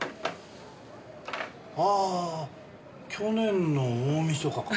ああ去年の大みそかか。